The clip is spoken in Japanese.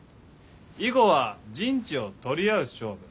囲碁は陣地を取り合う勝負。